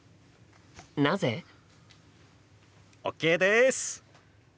なぜ？ＯＫです！